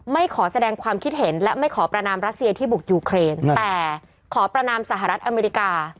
ขอแสดงความคิดเห็นและไม่ขอประนามรัสเซียที่บุกยูเครนแต่ขอประนามสหรัฐอเมริกา